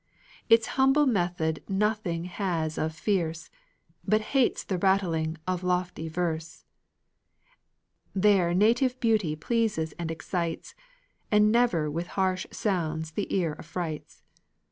Its humble method nothing has of fierce, But hates the rattling of a lofty verse; There native beauty pleases and excites, And never with harsh sounds the ear affrights.